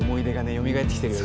よみがえってきてるよ